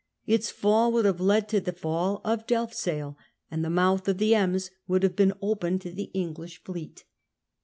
Its fall woulc^ have led to the fall of Dclfzyl, .., and the mouth of the Ems would have been Overyssciand open to the English fleet.